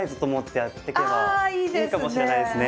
いいかもしれないですね。